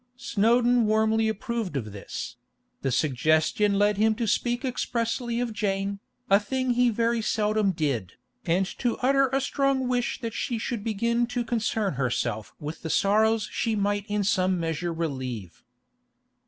Snowdon warmly approved of this; the suggestion led him to speak expressly of Jane, a thing he very seldom did, and to utter a strong wish that she should begin to concern herself with the sorrows she might in some measure relieve.